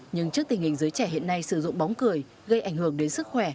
nhưng trước tình hình giới trẻ hiện nay sử dụng bóng cười gây ảnh hưởng đến sức khỏe